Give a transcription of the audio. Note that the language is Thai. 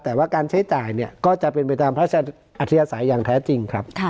แต่ว่าการใช้จ่ายเนี่ยก็จะเป็นไปตามพระราชอัธยาศัยอย่างแท้จริงครับ